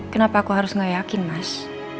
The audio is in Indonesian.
kenapa aku harus gak yakin mas